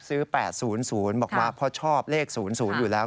๘๐๐บอกว่าเพราะชอบเลข๐๐อยู่แล้ว